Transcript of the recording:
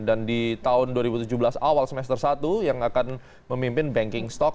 dan di tahun dua ribu tujuh belas awal semester satu yang akan memimpin banking stock